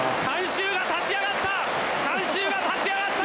観衆が立ち上がった！